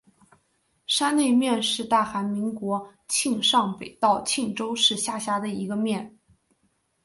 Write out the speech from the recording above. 山内面是大韩民国庆尚北道庆州市下辖的一个面。